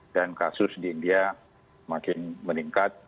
dan kasus di india makin meningkat